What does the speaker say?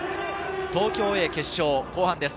東京Ａ決勝後半です。